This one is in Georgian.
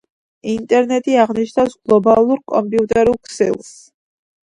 ინტერნეტი აღნიშნავს გლობალურ კომპიუტერულ ქსელს